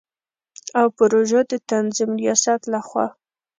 او پروژو د تنظیم ریاست له خوا